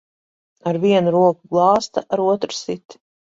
Ar vienu roku glāsta, ar otru sit.